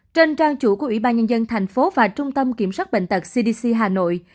trên trang chủ của ủy ban nhân dân thành phố và trung tâm kiểm soát bệnh tật cdc hà nội